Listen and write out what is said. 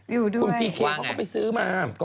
อยู่ด้วยว้างไงพีเคเขาก็ไปซื้อมา